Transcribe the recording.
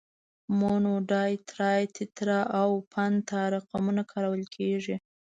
مونو، ډای، ترای، تترا او پنتا رقمونه کارول کیږي.